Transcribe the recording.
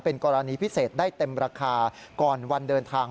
กรณีพิเศษได้เต็มราคาก่อนวันเดินทาง